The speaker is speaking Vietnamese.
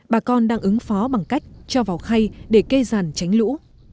bà con đang ứng phó bằng cách cho vào khay để cây giàn tránh lũ